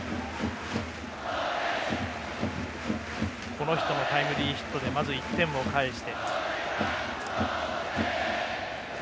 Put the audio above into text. この人のタイムリーヒットでまず１点を返して。